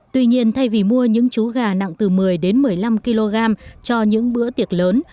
tuy nhiên thay vì mua những chú gà nặng từ một mươi đến một mươi năm kg cho những bữa tiệc lớn